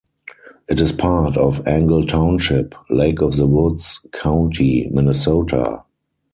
It is part of Angle Township, Lake of the Woods County, Minnesota.